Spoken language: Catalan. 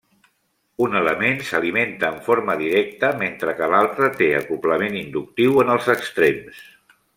Un element s'alimenta en forma directa, mentre que l'altre té acoblament inductiu en els extrems.